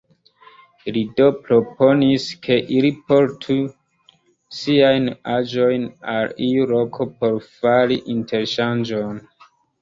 Li do proponis, ke ili portu siajn aĵojn al iu loko por fari interŝanĝon.